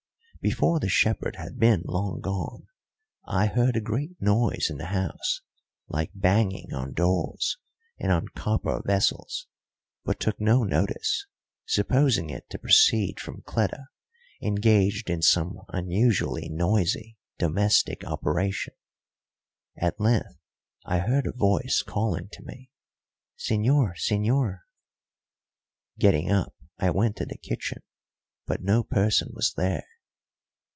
Before the shepherd had been long gone I heard a great noise in the house, like banging on doors and on copper vessels, but took no notice, supposing it to proceed from Cleta engaged in some unusually noisy domestic operation. At length I heard a voice calling to me, "Señor! Señor!" Getting up, I went to the kitchen, but no person was there.